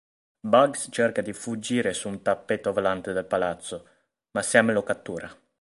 Bugs cerca di fuggire su un tappeto volante dal palazzo, ma Sam lo cattura.